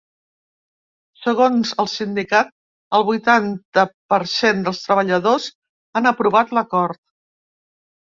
Segons el sindicat, el vuitanta per cent dels treballadors han aprovat l’acord.